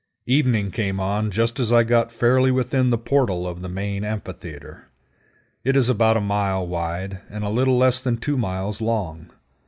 Evening came on just as I got fairly within the portal of the main amphitheater. It is about a mile wide, and a little less than two miles long.